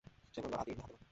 সে বলল, Adi ibn হাতেমা।